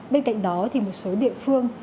bên cạnh đó thì một số địa phương